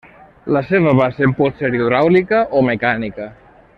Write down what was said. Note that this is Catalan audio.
La seva base pot ser hidràulica o mecànica.